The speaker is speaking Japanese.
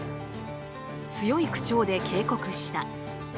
強い口調で警告した。